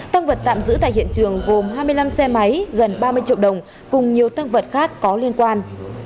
tăng vật tạm giữ tại hiện trường gồm hai mươi năm xe máy gần ba mươi triệu đồng cùng nhiều tăng vật khác có liên quan